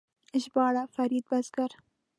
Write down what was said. ژباړ: فرید بزګر